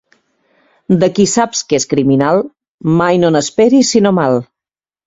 De qui saps que és criminal, mai no n'esperis sinó mal.